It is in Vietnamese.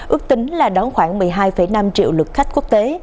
ước tính là đón khoảng một mươi hai năm triệu lượt khách quốc tế